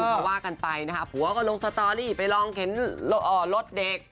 เขาว่ากันไปนะคะผัวก็ลงสตอรี่ไปลองเข็นรถเด็ก